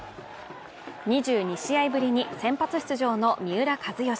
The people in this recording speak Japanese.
２２試合ぶりに先発出場の三浦知良。